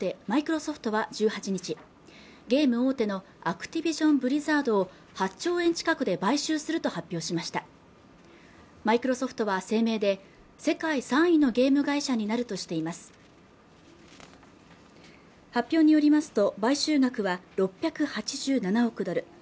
マイクロソフトは１８日ゲーム大手のアクティビジョンブリザードを８兆円近くで買収すると発表しましたマイクロソフトは声明で世界３位のゲーム会社になるとしています発表によりますと買収額は６８７億ドル